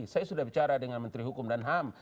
saya sudah bicara dengan menteri hukum dan ham